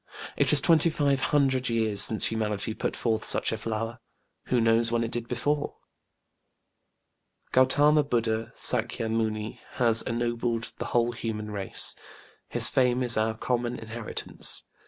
It is twenty five hundred years since humanity put forth such a flower: who knows when it did before? GautĖĢama BudĖĢdĖĢha, SÄkya Muni, has ennobled the whole human race. His fame is our common inheritance.